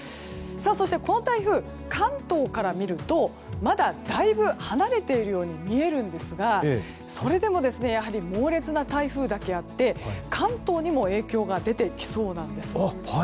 そして、この台風関東から見るとまだだいぶ離れているように見えるんですがそれでもやはり猛烈な台風だけあって関東にも影響が出てきそうなんです。